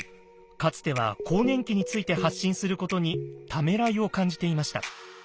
かつては更年期について発信することにためらいを感じていました。